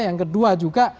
yang kedua juga